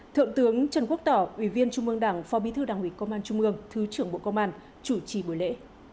thượng tướng trần quốc tỏ ủy viên trung mương đảng phó bí thư đảng ủy công an trung ương thứ trưởng bộ công an chủ trì buổi lễ